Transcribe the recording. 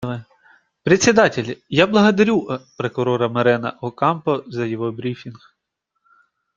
Председатель: Я благодарю Прокурора Морено Окампо за его брифинг.